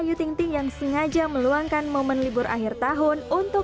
jadi jangan saja nggak keluarga gitu